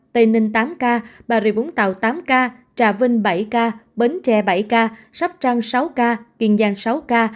tây ninh tám ca bà rịa vũng tàu tám ca trà vinh bảy ca bến tre bảy ca sắp trăng sáu ca kiên giang sáu ca